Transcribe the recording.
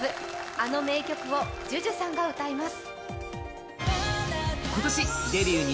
あの名曲をＪＵＪＵさんが歌います。